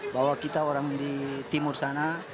bahwa kita orang di timur sana